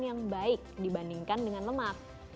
yang baik dibandingkan dengan lemak